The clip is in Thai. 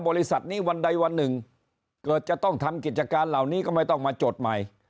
บริษัทนี้วันใดวันหนึ่งเกิดจะต้องทำกิจการเหล่านี้ก็ไม่ต้องมาจดใหม่